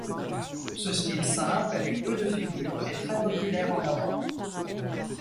Ce style simple avec peu de figures est très populaire en Europe.